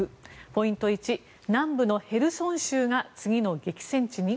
ポイント１、南部のへルソン州が次の激戦地に？